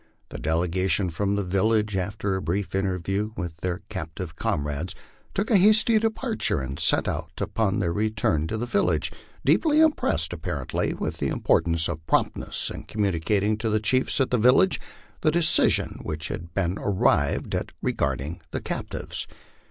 The delegation from the village, after a brief interview with their captive comrades, took a hasty departure, and set out upon their return to the village, deeply impressed, apparently, with the importance of promptness in communicating to the chiefs at the village the decision which had been ar rived at regarding the captives.